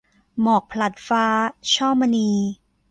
หมอกผลัดฟ้า - ช่อมณี